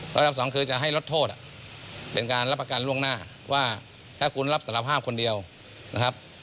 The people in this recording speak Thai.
ระดับสองคือจะให้ลดโทษเป็นการรับประกันล่วงหน้าว่าถ้าคุณรับสารภาพคนเดียวนะครับ